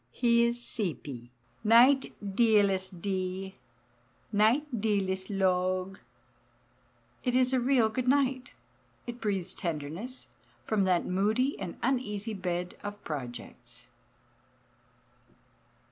He is "seepy." "Nite, dealest dea, nite dealest logue." It is a real good night. It breathes tenderness from that moody and uneasy bed of projects.